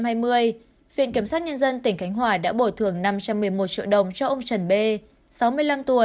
viện kiểm sát nhân dân tỉnh khánh hòa đã bồi thường năm trăm một mươi một triệu đồng cho ông trần bê sáu mươi năm tuổi